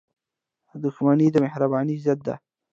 • دښمني د مهربانۍ ضد ده.